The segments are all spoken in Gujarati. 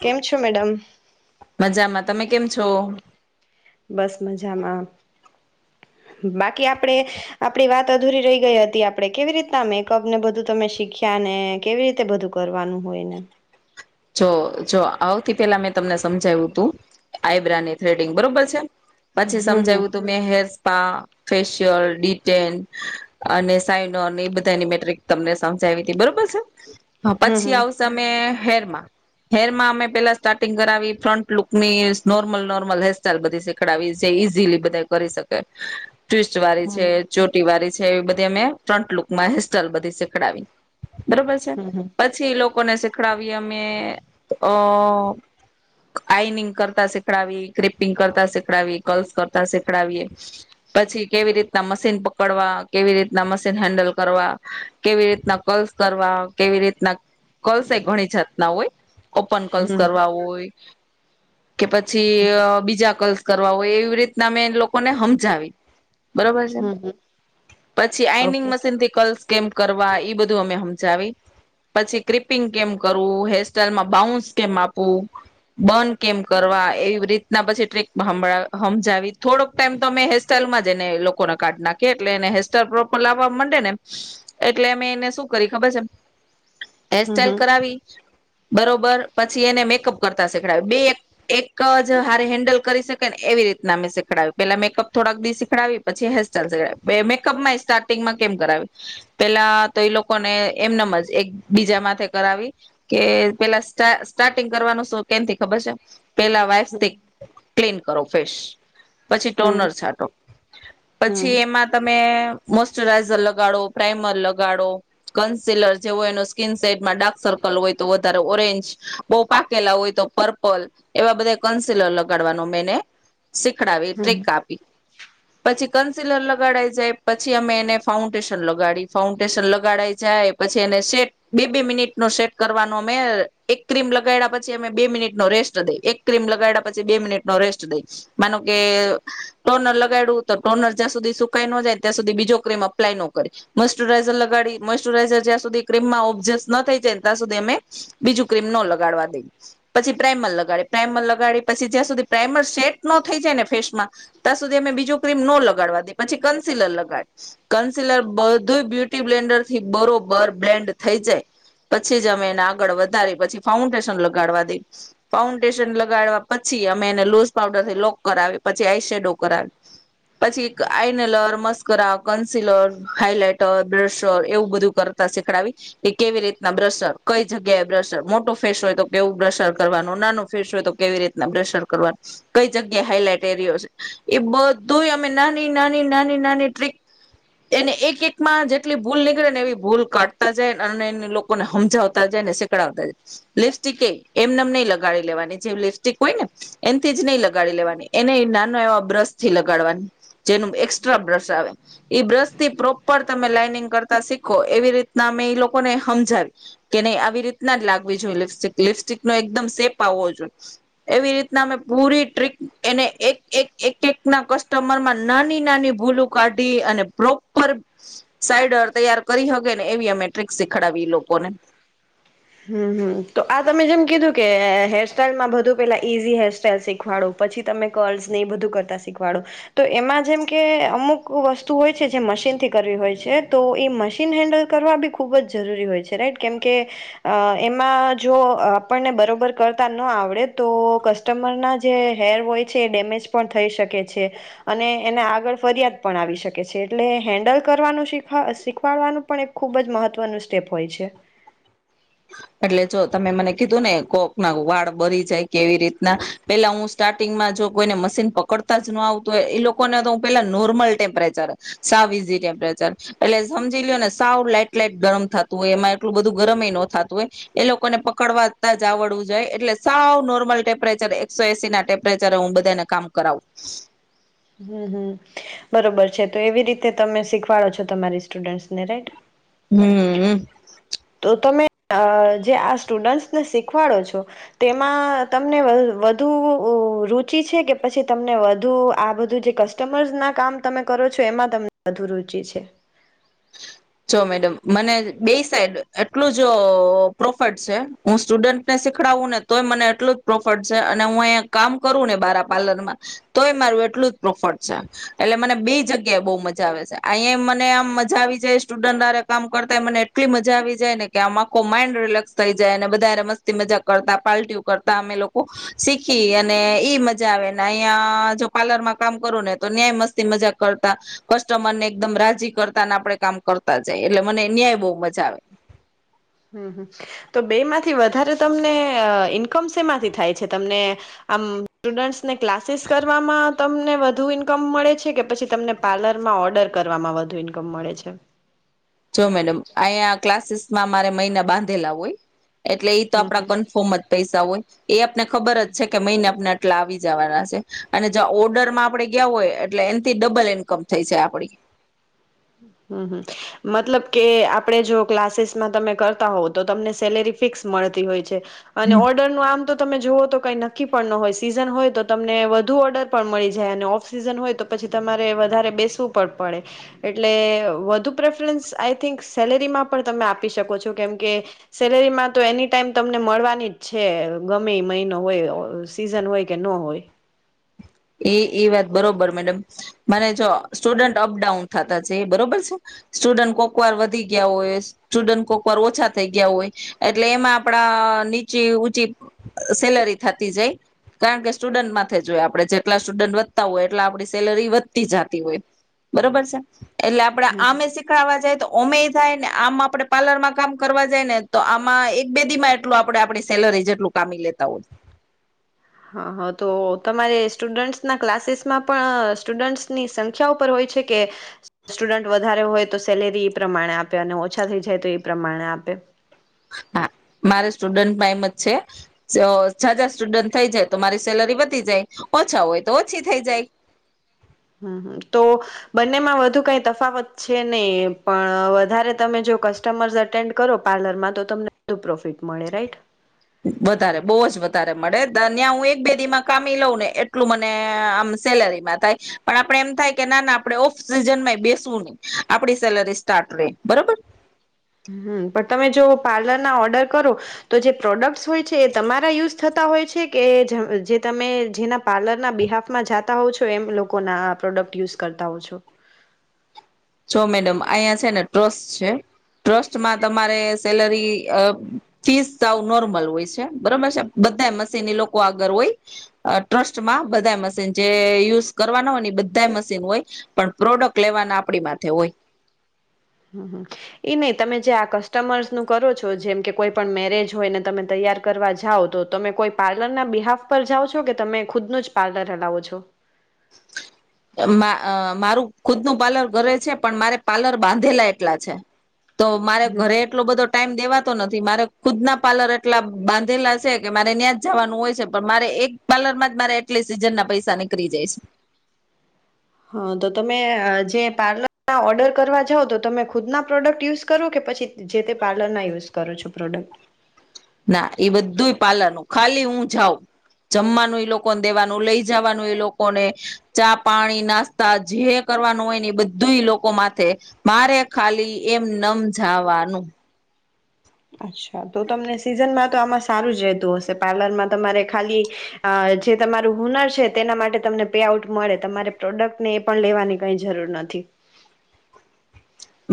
કેમ છો મેડમ મજામાં તમે કેમ છો બસ મજામાં બાકી આપણેે આપડી વાત અધૂરી રહી ગઈ હતી આપણે કેવી રીતના મેકઅપ ને બધું તમે શીખ્યા ને કેવી રીતે બધું કરવાનું હોયને જો જો આવથી પેલા મેં તમને સમજાવ્યું તું આઈબ્રા ની થ્રેડિંગ બરોબર છે પછી હમ હમ સમજાવ્યું તું મે હેરસપા. ફેશિયલ ડીટેન, અને સાયનોન એ બધાની મેટ્રિક તમને સમજાવી હતી બરોબર છે. હા પછી હમ આવમે હેર હેરમાં અમે પેલા સ્ટાર્ટિંગ કરાવી ફ્રન્ટલુક ની નોર્મલ નોર્મલ હેર સસ્ટાઈલ બધી શીખડાવી જે ઈઝીલી બધા કરી શકે. ટ્સ્ટ વાળી છે હમ ચોટી વાળી છે. એવી બધી અમે ફ્રન્ટ લુકમાં હેસ્ટાઈઇલ બધી શીખડાવી. બરોબર છે, હમ પછી એ લોકો લોકોને શીખડાવીમ મે અ આઈનિંગ કરતા શીખડાવી ક્રિપિંગ કરતા શીખડાવી કલ્સ કરતા શીખડાવીએ, પછી કેવી રીતના મશીન પકડવા કેવી રીતના મશીન હેન્ડલ કરવા, કેવી રીતના કલ્સ કરવા કેવી રીતના કલ્સે ઘણી જાત ના હોય ઓપન હમ કલ્સ હમ કરવા હોય કે પછી બીજા કલ કરવા હોય એવી રીતના અમે લોકોને હમજાવી બરોબર છે હમ હમ પછી આઈનિંગ ઓકે મશીન થી કલ્સ કેમ કરવા ઈ બધું અમે હમજાવી પછી, ક્રિપિંગ કેમ હેરસ્ટાઈલ બાઉન્સ કેમ આપવું, બન કેમ કરવા એવી રીતના પછી ટ્રેક હમજાવી થોડોક ટાઈમ તો હેસ્ટાઈલમાં જ ને લોકોનો કાર્ડ નાખીયે એટલે એને હેસ્ટર પ્રોપર લાવવા મંડે ને એટલે અમે એને શું કરી ખબર છે હમ હેરસ્ટાઈલ હમ કરાવી બરોબર, પછી એને મેકઅપ કરતા શીખડાવ્યું, બે એક જ હારે હેન્ડલ કરી શકે ને એવી રીતના અમે શીખવાડીએ, પેલા મેકઅપ થોડાક દી શીખડી પછી હેરસ્ટાઈલ શીખડી, મેકઅપમાં સ્ટાર્ટિંગમાં કેમ કરાવી પેલા તો એ લોકોને એમનમ જ એક બીજા માથે કરાવી કે પેલા સ સ્ટાર્ટિંગ કરવાનું શું કેન થી ખબર છે? પેલા વાઈસ થી ક્લીન કરો ફેશ પછી હમ ટોનર છાટો, હમ પછી એમાં તમે મોશચરાઈઝર લગાડો, પ્રાઈમર લગાડો, કન્સીલર જેવો એનો સ્કીિન સેટમાં સર્કલ હોય તો વધારે ઓરેન્જ, બહુ પાકેલા હોય તો પર્પલ, એવા બધા. કનસીલર લગાડવાનો મેને શીખડાવી, હમ ટ્રિક આપી, પછી કન્સિલર લગાડાઈ જાય પછી અમે એને ફાઉન્ટેશન લગાડી ફાઉન્ટેશન લગાડાઈ જાય પછી એને સેટ બે બે મિનિટ સેટ કરવાનો અમે એક ક્રીમ લગાડ્યા પછી અમે બે મિનિટ નો રેસ્ટ દઈ એક ક્ર્રીમ લગાડ્યા પછી બે મિનિટ નો રેસ્ટ દઈ માનો કે, ટોનર લગાડું તો ટોનર જ્યાં સુધી સુકાઈ ન જાય ત્યાં સુધી બીજો ક્રીમ અપ્લાય ન કર, મોશચરાઈઝર લગાડી મોશચરાઈઝર જ્યાં સુધી ક્રીમમાં ઓબ્જસ થાય. ત્યાં સુધી અમે બીજું ક્રીમ નો લગાડવા દઈએ, પછી પ્રાાઈમલ લગાડી પ્રાઈમલ લગાડી પછી જ્યાં સુધી પ્રાાઈમલ સેટ ન થઈ જાય ને ફેસમાં, ત્યાં સુધી અમે બીજું ક્રીમ નો લગાડવા દઈએ પછી કન્સિલર લગાડી, કન્સિલર બધું બ્યુટી બ્લેન્ડર થી બરોબર બ્લેન્ડ થઈ જાય. પછી જ અમે એને આગળ વધારી પછી ફાઉન્ટેશન લગાડવા દઈ, ફાઉન્ટેશન લગાડવા પછી અમે એને લુઝ પઉડર થી લોક કરાવી પછી આઈ શેડો કરાવી, પછી એક eyeliner mascara concealer highlighter blusher એવું બધું કરતા શીખડાવી, કે કેવી રીતે બ્રર કઈ જગ્યા એ બ્રશર મોટો ફેસ હોય તો કેવું બ્રશર કરવાનું નાનો ફેસ હોય તો કેવી રીતના બ્રશર કરવાનું, કઈ જગ્યાએ હાઈલાઈટ એરયો છે, એ બધું અમે નાની નાની નાની નાની ટ્રીક, એને એક એક માં જેટલી ભૂલ નીકળે ને એવી ભૂલ કાઢતા જાય અને એ સમતાનેતા લિપસ્ટિક એ એમને નહી લગાડી લેવાની જે લિપસ્ટિક હોય ને, એમથી જ નહી લગાડી લેવાની એને નાનો એવા બ્રશથી લગાડવાની, જેનું એકસ્ટ્રા બ્રશ આવે, એ બ્રશ થી પ્રોપર તમે લાઈનિંગ કરતા શીખો એવી રીતના અમે લોકોને સમજાવી. કે નહી આવી રીતના જ લાગવી જોઈએ લિપસ્ટિક લિપસ્ટિક નો એકદમ સેપ આવવો જોઈએ, એવી રીતના અમે પૂરી ટ્રીક એને એક એક એક એક ના કસ્ટમરમાં નાની નાની ભૂલું કાઢી અને પ્રોપર સાઈડર તૈયાર કરી શકે ને એવી અમે ટ્રીક શીખડી લો. કોને. હમ હમ તો આ તમે જેમ કીધું કે હેરસ્ટાઈલમાં બધું પેલા ઈઝી હેરસ્ટાઈઇલ શીખવાડો પછી તમે કરલ્સ હી બધું કરતા શીખવાડો, તો એમાં જેમ કે અમુક વસ્તુ હોય છે જે મશીન થી કરવી હોય છે તો એ મશીન હેન્ડલ કરવા બી ખૂબ જ જરૂરી હોય છે રાઈટ કેમકે. એમાં જો આપણને બરાબર કરતા ન આવડે તો કસ્ટમરના જે હેર હોય છે એ ડેમેજ પણ થઈ શકે છે, અને એને આગળ ફરિયાદ પણ આવી શકે છે એટલે હેન્ડલ કરવાનું શીખ શીખવાડવાનું પણ એક ખૂબ જ મહત્ત્વનું સ્ટેપ હોય છે. એટલે જો તમે મને કીધું ને કોક ના વાળ બરી જાય કેવી રીતના પેલા હું સ્ટાર્ટિંગમાં જો કોઈને મશીન પકડતા જ ન આવતું હોય એ લોકોને તો હું પેલા નોર્મલ ટેમ્પરેચર સાવીઝી ટેમ્પરેચર એટલે સમજી લ લો ને સાવ લાઈટ લાઈટ ગરમ થતું હોય એમાં એટલું બધું ગરમ નો થતું હોય એ લોકોને પકડવાતા જ આવડવું જો એટલે સાવ નોર્મલ ટેમ્પરેચર એક સો એસી ના ટેમ્પરેચર હું બધાને કામ કરાવું હમ હમ બરોબર છે તો એવી રીતે તમે શીખવાડો છો તમારી સ્ટુડન્ટસ ને રાઈટ હમ હ તો તમે જે આ સ્ટુડન્ટસને શીખવાડો છો તેમાં તમને વધુ રુચિ છે કે પછી તમને વધુ આ બધું જે કસ્ટમર્સ ના કામ તમે કરો છો એમાં તમને વધુ રુચિ છે જો મેડમ મને બે સાઈડ એટલું જ પ્રોફિટ છે હું સ્ટુડન્ટને શીખડાવું ને તોય મને એટલું જ પ્રોફિટ છે અને હું અહીંયા કામ કરું ને બારા પાર્લરમાં તોય મારું એટલું જ પ્રોફિટ છે એટલે મને બે જગ્યાએ બહ મજા આવે છે અહીયા મને આમ મા ા આવી જાય સ્ટુડરે કામ કરતા મને એટલી મજા આવી જાય ને કે આમ આખો માઈન્ડ રિલેક્સ થઈ જાય અને બધાારે મસ્તી મજાક કરતા પાર્ટું કરતા અમે લોકો શીખી અને ઈ મજા આવે અહીં જો પાર્લરમાં કામ કરું ને તો ન્યાય મસ્તી મજાક કરતા કસ્ટમર ને એકદમ રાજી કરતા આપડે કામ કરતા જાય એટલે મને ન્યાય બહુ મજા આવે હમ હ તો બે માંથી વધારે તમને ઈન્કમ શેમાંથી થાય છે તમને આમ સ્ટુડન્ટસને ક્લાસીસ કરવામાં તમને વધુ ઈન્કમ મળે છે કે પછી તમને પાર્લરમાં ઓર્ડર કરવામાં વધુ ઈન્કમ મળે છે જો મેડમ અહી આ ક્લાસીસ માં મારે મહિના બાંધેલા હોય એટલે એ તો હમ હમ આપડા કન્ફોર્મ જ પૈસા હોય એ આપને ખબર જ છે કે મહિને આપના એટલા આવી જવાના છે અને જ ઓર્ડર માં આપણેે ગયા હોય એટલે એનાથી ડબલ ઇન્કમ થઈ છે આપડી હમ હમ મતલબ કે આપડે જો ક્લાસીસમાં તમે કરતા હોવ તો તમને સેલેરી ફિક્સ મળતી હોય છે હમ અને ઓર્ડર નું આમ તો તમે જોુઓ તો કઈ નક્કી પણ ન હોય સીઝન હોય તો તમને વધુ ઓર્ડર પણ મળી જાય અને ઓફ સીઝન હોય તો પછી તમારે વધારે બેસવું પણ પડે એટલે વધુ પ્રેફરન્સ આઈ થિંક સેલેરીમાં પણ તમે આપી શકો છો કેમ કે સેલેરીમાં તો એની ટાઈમ તમને મળવાની જ છે ગમે મહિનો હોય સીઝન હોય કે ન હોય એ એ વાત બરોબર મેડમ મને જો સ્ટુડન્ટ અપડાઉન થતા જ બરોબર છે સ્ટુડન્ટ કોકવાર વધી ગયા હોય સ્ટુડન્ટ કોકવાર ઓછા થઈ ગયા હોય એટલે એમાં આપડા નીચી ઊંચી સેલરી થતી જાય કારણ કે સ્ટુડન્ટમાં જોએ આપડે જે એટલા સ્ટુડન્ટ વધતા હોય એટલે આપણી સેલરી વધતી જતી હોય બરોબર છે એટલે આપડે આમે શીખડવા જાય તો ઓમેય થાય ને આમાં આપડણે પાર્લર માં કામ કરવા જાય ને તો આમાં એક બેદી માં એટલું આપે આપણી સેલરી જેટલું કામી લેતા હો હા હા તો તમારે સ્ટુડન્ટ્સના ક્લાસીસમાં પણ સ્ટુડન્ટ્સની સંખ્યા ઉપર હોય છે કે સ્ટુડન્ટ વધારે હોય તો સેલેરી એ પ્રમાણે આપે અને ઓછા થઈ જાય તો એ પ્રમાણે આપે હા મારે સ્ટુડન્ટ ટમ જ છેજાર સ્ટુડન્ટ થઈ જાય તો મારી સેલરી વધી જાય ઓછા હોય તો ઓછી થઈ જાય હમ હમ તો બંનેમાં વધુ કઈ તફાવત છે નહી પણ વધારે તમે જો કસ્ટમર્સ એટેન્ડ કરો પાર્લરમાં તો તમને વધુ પ્રોફિટ મળે રાઈટ વધારે બહુ જ વધારે મળે ત્યાં હું એક બેદી માં કામી લઉં ને એટલું મને આમ સેલેરીમાં થાય પણ આપડે એમ થાય કે ના ના આપડણે ઓફ સિઝનમાં બેસવું નહી આપડી સેલરી સ્ટાર્ટ રે બરોબર હમ પણ તમે જો પાર્લર ના ઓર્ડર કરો તો જે પ્રોડક્ટ હોય છે એ તમારા યુઝ થતા હોય છે કે જે તમે જેના પાર્લરના બિહાફમાં જતા હોવ છો એમ લોકોના આ પ્રોડક્ટ યુઝ કરતા હો છો જો મેડમ અહીંયા છે ને ટ્રસ્ટ છે ટ્રસ્ટમાં તમારે સેલરી ફીસ આવું નોર્મલ હોય છે બરોબર છે બધા મશીન એ લોકો આગળ હોય ટ્રસ્ટમાં બધા મશીન જે યુઝ કરવાના હોય ને બધા મશીન હોય પણ પ્રોડક્ટ લેવાના આપડી તેઠય હમ હ એઈ નહી તમે જે આ કસ્ટમર્સ નું કરો છો જેમ કે કોઈ પણ મેરેજ હોય ને તમે તૈયાર કરવા જાઓ તો તમે કોઈ પાર્લર ના બિહાફ પર જાઓ છો કે તમે ખુદનું જ પાર્લર હલાવો છો મારું ખુદ ન પાર્લર ઘરે છે પણ મારે પાર્લર બાંધેલા એટલા છે તો મારે હમ ઘરે એટલો બધો ટાઈઇમ દેવા નથી મારે ખુદ ના પાર્લર એટલા બાંધેલા છે કે મારે ત્યાં જ જવાનું હોય છે પણ મારે એક પાર્લર માં જ મારે એટલી સીઝન ના પૈસા નીકળી જાય છે હા તો તમે જે પાર્લરના ઓર્ડર કરવા જાાવ તો તમે ખુદના પ્રોડક્ટ યુઝ કરો કે પછી જે તે પાર્લરના યુઝ કરો છો પ્રોડક્ટ ના એ બધું પાલનનું ખાલી હું જાઉં જમવાનું એ લોકોને દેવાનું લઈ જવાનું એ લોકોને ચા પાણી નાસ્તા જે કરવાનું હોય ને એ બધું લોકો માથે મારે ખાલી એમ નમજાવાનું અચ્છા તો તમને સિઝનમાં તો આમાં સારું જ રહેતું હશે પાર્લરમાં તમારે ખાલી જે તમારું હુનર છે તેના માટે તમને પેઆઉટ મળે તમારે પ્રોડક્ટને એ પણ લેવાની કઈ જરૂર નથી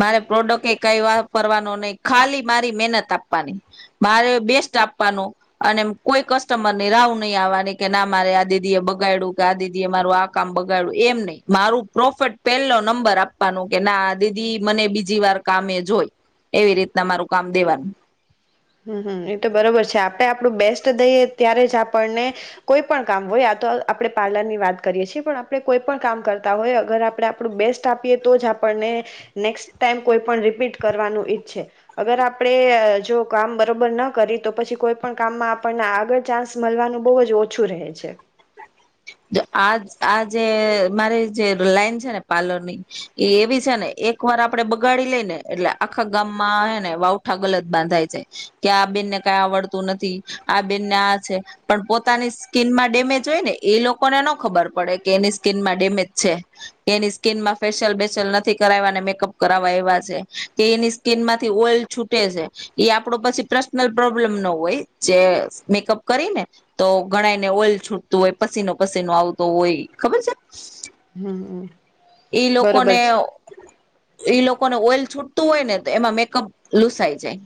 મારે પ્રોડક્ટ એ કઈ વાપરવાનો નહીિ ખાલી મારી મહેનત આપવાની મારે બેસ્ટ આપવાનું અને કોઈ કસ્ટમરની રાાવ નહીિ આવવાની કે ના મારે આ દીદી એ બગાડું કે આ દીદી એ મારું આ કામ બગાડું એમ નહીિ મારું પ્રોફિટ પહેલો નંબર આપવાનું કે ના આ દ મને બીજી વાર કામે જોય એવી રીતના મારું કામ દેવાનું હમ હમ એ તો બરોબર છે આપણે આપણું બેસ્ટ દઈએ ત્યારે જ આપણને કોઈ પણ કામ હોય આ તો આપણે પાર્લર ની વાત કરીએ છીએ પણ આપણે કોઈ પણ કામ કરતા હોય અગર આપણે આપણું બેસ્ટ આપીએ તો જ આપણને નેક્સ્ટ ટાઈમ કોઈ પણ રીપીટ કરવાનું ઈચ્છે અગર આપણે જો કામ બરોબર ના કરી તો પછી કોઈ પણ કામમાં આપણને આગળ ચાન્સ મળવાનું બહુ જ ઓછું રહે છે આ આ જે મારી જે લાઈન છે ને પાર્લર ની એ એવી છે ને એક વાર આપડે બગાડી લઈ ને એટલે આખા ગામમાં હ ને વાવઠા ગલત બાંધાય છે કે આ બેનને કઈ આવડતું નથી આ બેનને આ છે પણ પોતાની સ્કીિન માં ડેમેજ હોય ને એ લોકોને ન ખબર પડે કે એની સ્કીિનમાં ડેમેજ છે, કે એની સ્કીિનમાં ફેશિયલ બેેશિયલ નથી કરાવવા અને મેકઅપ કરાવવા એવા છે, કે એની સ્કીિન માંથી ઓઇલ છૂટે છે, એ આપડો પછી પર્સનલ પ્રોબ્લેમ ન હોય જે મેકઅપ કરીને, તો ગણાયને ઓઇલ છૂટતું હોય. પસીનો પસીનો આવતો હોય ખબર છે. હમમ ઈ લોકોને બરોબર છે. ઈ લોકોને ઓઇલ છૂટતું હોય ને તો એમાં મેકઅપ લુસાઈ જાય.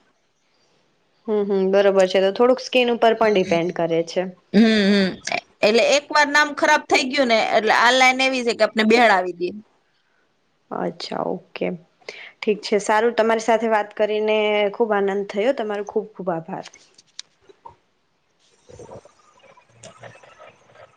હમ હમ બરોબર છે તો થોડુંક સ્કીન ઉપર પણ ડિપેન્ડ કરે છે. હમ હમ એટલે એક એકર નામ ખરાબ થઈ ગયું ને એટલે આ લાઈન એવી છે કે આપને બેણ આવી દઈએ. અચ્છા ઓકે, ઠીક છે સારું તમારી સાથે વાત કરીને ખુબ આનંદ થયો તમારો ખુબ ખુબ આભાર. હ [inaudible]